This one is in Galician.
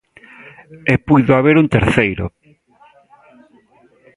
E puido haber un terceiro.